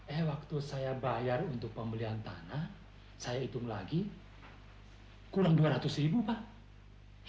eh waktu saya bayar untuk pembelian tanah saya hitung lagi kurang dua ratus ribu pak